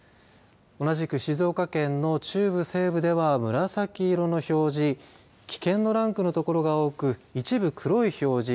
同じく静岡県の中部、西部では紫色の表示危険のランクの所が多く一部黒い表示